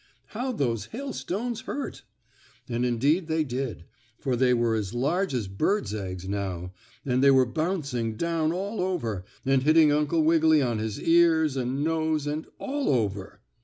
How those hailstones hurt!" And indeed they did, for they were as large as bird's eggs now, and they were bouncing down all over, and hitting Uncle Wiggily on his ears and nose and all over.